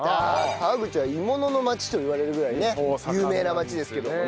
川口は鋳物の街といわれるぐらいね有名な街ですけどもね。